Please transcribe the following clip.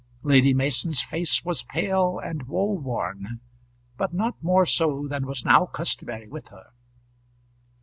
Lady Mason's face was pale and woe worn, but not more so than was now customary with her.